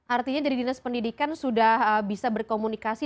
artinya dari dinas pendidikan sudah bisa berkomunikasi